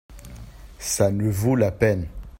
ça ne vaut la peine.